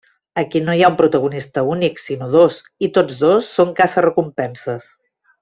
Aquí no hi ha un protagonista únic sinó dos, i tots dos són caça-recompenses.